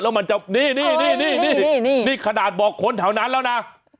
แล้วมันจะนี่นี่นี่นี่นี่นี่นี่ขนาดบอกคนเท่านั้นแล้วน่ะ